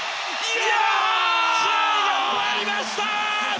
試合が終わりました！